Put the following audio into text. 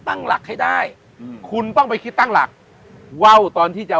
ตั้งหลักให้ได้อืมคุณต้องไปคิดตั้งหลักว่าวตอนที่จะ